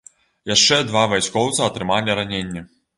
Яшчэ два вайскоўца атрымалі раненні.